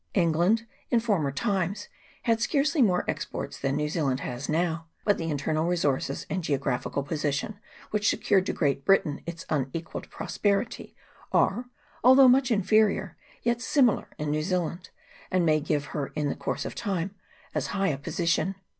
England, in former times, had scarcely more exports than New Zealand has now ; but the internal resources and geogra phical position which secured to Great Britain its unequalled prosperity, are, although much inferior, yet similar, in New Zealand, and may give her, in the course of time, as high a position.